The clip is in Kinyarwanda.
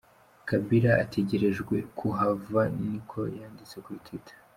Kabila ategerezwa kuhava," niko yanditse kuri Twitter.